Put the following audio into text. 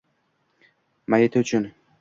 Mayiti uchun